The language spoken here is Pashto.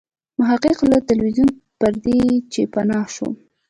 محقق له ټلویزیون پردې چې پناه شو.